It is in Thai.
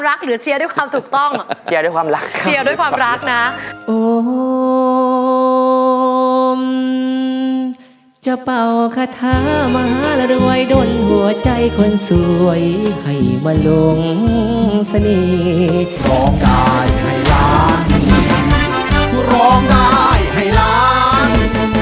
ร้องได้ให้ล้าน